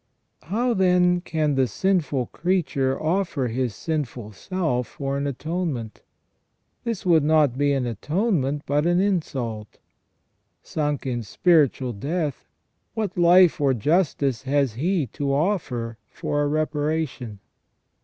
How, then, can the 304 THE FALL OF MAN sinful creature offer his sinful self for an atonement ? This would not be an atonement but an insult. Sunk in spiritual death, what life or justice has he to offer for a reparation